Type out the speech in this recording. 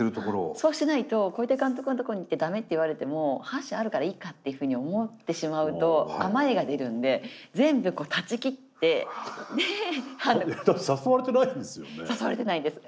そうしないと小出監督のところに行ってダメって言われても８社あるからいいかっていうふうに思ってしまうと甘えが出るんでだって誘われてないんですよね？